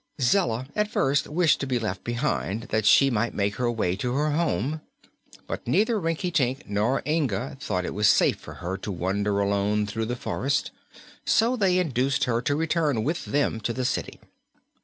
Zella at first wished to be left behind, that she might make her way to her home, but neither Rinkitink nor Inga thought it was safe for her to wander alone through the forest, so they induced her to return with them to the city.